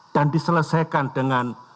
dan diselesaikan dengan